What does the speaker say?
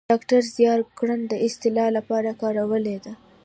ډاکتر زیار ګړنه د اصطلاح لپاره کارولې ده